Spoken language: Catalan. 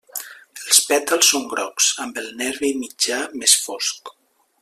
Els pètals són grocs, amb el nervi mitjà més fosc.